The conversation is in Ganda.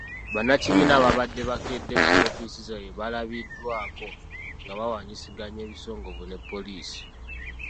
Bannakibiina ababadde bakedde ku woofiisi zaabwe balabiddwako nga bawanyisiganya ebisongovu ne poliisi.